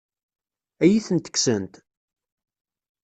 Ad iyi-tent-kksent?